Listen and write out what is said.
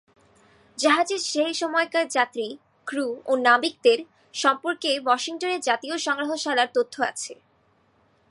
জাহাজের সে সময়কার যাত্রী, ক্রু ও নাবিকদের সম্পর্কে ওয়াশিংটনের জাতীয় সংগ্রহশালায় তথ্য আছে।